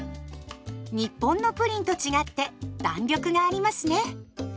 日本のプリンと違って弾力がありますね。